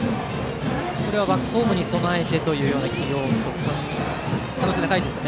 これはバックホームに備えての起用の可能性が高いですか。